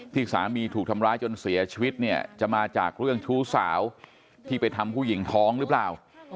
ที่สามีถูกทำร้ายจนเสียชีวิตเนี่ยจะมาจากเรื่องชู้สาวที่ไปทำผู้หญิงท้องหรือเปล่า